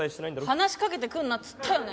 話しかけてくんなっつったよね？